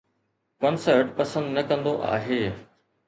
concert پسند نه ڪندو آهي